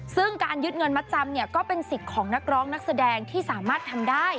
ซึ่งการยึดเงินมัดจำเนี่ยก็เป็นสิทธิ์ของนักร้องนักแสดงที่สามารถทำได้